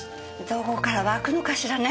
どこからわくのかしらね